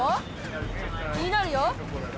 気になるよ